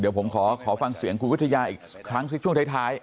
เดี๋ยวผมขอฟังเสียงคุณวิทยาอีกครั้งสิช่วงท้าย